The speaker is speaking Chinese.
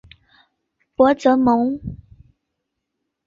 博泽蒙。